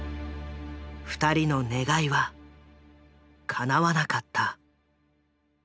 ２人の願いはかなわなかった。